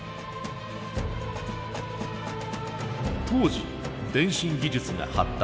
当時電信技術が発達。